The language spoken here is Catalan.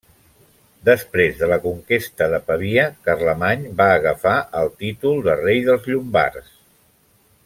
Després de la conquesta de Pavia Carlemany va agafar el títol de rei dels llombards.